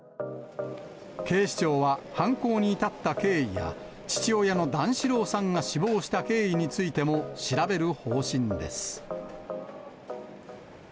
警視庁は犯行に至った経緯や、父親の段四郎さんが死亡した経緯についても調べる方針です。